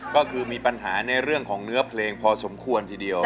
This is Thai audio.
ก็คือมีปัญหาในเรื่องของเนื้อเพลงพอสมควรทีเดียว